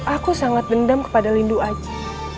aku sangat dendam kepada rindu aji